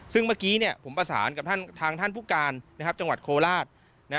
ซึ่งเมื่อกี้ผมประสานกับทางท่านผู้การจังหวัดโคราช